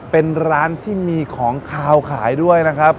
เป็นร้านที่มีของขาวขายด้วยนะครับ